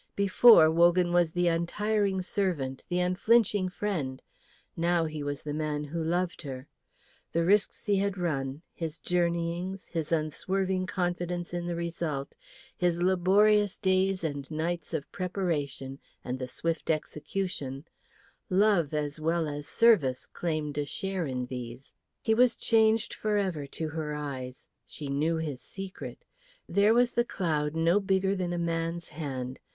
Before, Wogan was the untiring servant, the unflinching friend; now he was the man who loved her. The risks he had run, his journeyings, his unswerving confidence in the result, his laborious days and nights of preparation, and the swift execution, love as well as service claimed a share in these. He was changed for ever to her eyes; she knew his secret. There was the cloud no bigger than a man's hand.